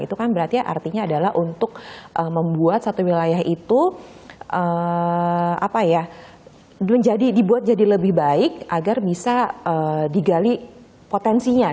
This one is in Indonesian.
itu kan berarti artinya adalah untuk membuat satu wilayah itu dibuat jadi lebih baik agar bisa digali potensinya